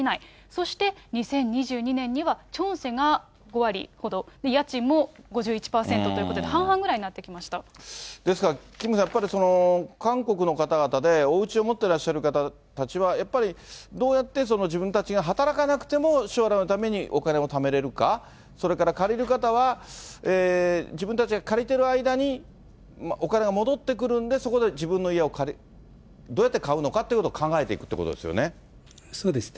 そして２０２２年にはチョンセが５割ほど、家賃も５１％ということで、ですからキムさん、やっぱり韓国の方々でおうちを持ってらっしゃる方たちは、やっぱりどうやって自分たちが働かなくても将来のためにお金をためられるか、それから借りる方は自分たちが借りてる間にお金が戻ってくるんで、そこで自分の家をどうやって買うのかということを考えていくってそうですね。